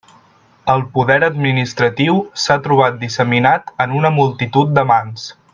El poder administratiu s'ha trobat disseminat en una multitud de mans.